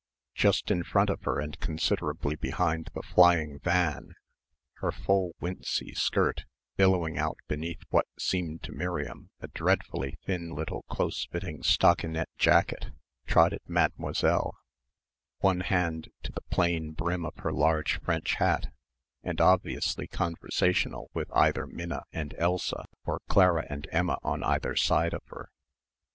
Just in front of her and considerably behind the flying van, her full wincey skirt billowing out beneath what seemed to Miriam a dreadfully thin little close fitting stockinette jacket, trotted Mademoiselle one hand to the plain brim of her large French hat, and obviously conversational with either Minna and Elsa or Clara and Emma on either side of her.